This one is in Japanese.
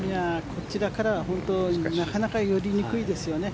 こちらからはなかなか寄りにくいですよね。